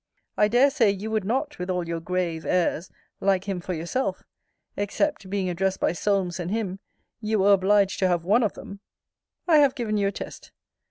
I dare say, you would not, with all your grave airs, like him for yourself; except, being addressed by Solmes and him, you were obliged to have one of them. I have given you a test.